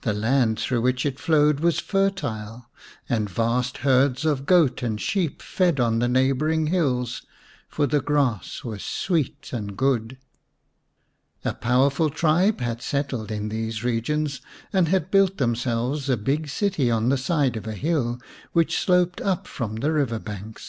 The land through which it flowed was fertile, and vast herds of goat and sheep fed on the neighbouring hills, for the grass was sweet and good. A powerful tribe had settled in these regions and had built themselves a big city on the side of a hill which sloped up from the river banks.